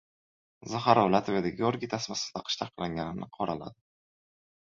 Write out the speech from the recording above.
Zaxarova Latviyada Georgiy tasmasini taqish taqiqlanganini qoraladi